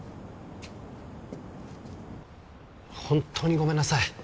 本当にごめんなさい